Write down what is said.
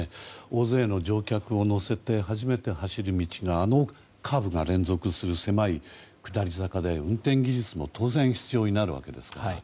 大勢の乗客を乗せて初めて走る道があのカーブが連続する狭い下り坂で運転技術も当然必要になるわけですから。